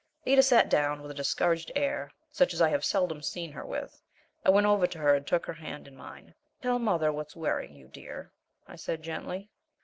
Ada sat down with a discouraged air such as I have seldom seen her with. I went over to her and took her hand in mine. "Tell mother what's worrying you, dear," I said, gently.